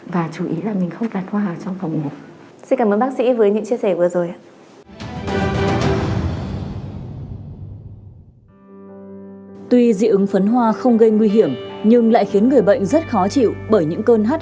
và chú ý là mình không đặt hoa